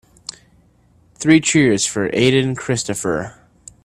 Three cheers for Aden Christopher.